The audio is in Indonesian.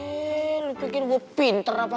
eh lu pikir gue pinter apa